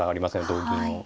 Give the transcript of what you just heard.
同銀を。